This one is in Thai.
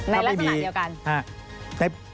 ในลักษณะเดียวกัน